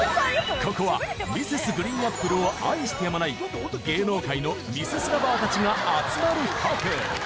ここは Ｍｒｓ．ＧＲＥＥＮＡＰＰＬＥ を愛してやまない芸能界のミセス ＬＯＶＥＲ たちが集まるカフェ